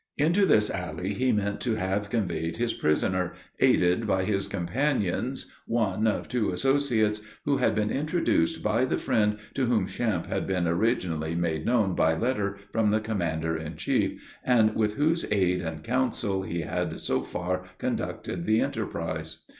Into this alley he meant to have conveyed his prisoner, aided by his companions, one of two associates who had been introduced by the friend to whom Champe had been originally made known by letter from the commander in chief, and with whose aid and counsel he had so far conducted the enterprise.